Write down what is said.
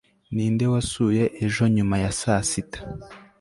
ninde wasuye ejo nyuma ya saa sita